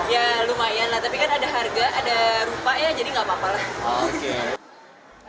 ya lumayan lah tapi kan ada harga ada rupa ya jadi nggak apa apa lah